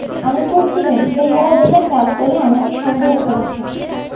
আমি বলছিলুম, বেহারা বেটা চাঁদ বলে আমাকে সন্দেহ করেছে।